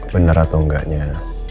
benar atau enggaknya